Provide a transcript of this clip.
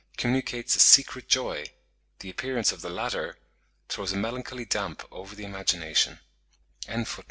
communicates a secret joy; the appearance of the latter... throws a melancholy damp over the imagination.")